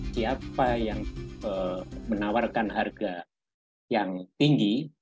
siapa yang menawarkan harga yang tinggi